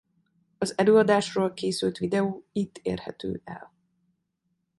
Az előadásról készült videó itt érhető el.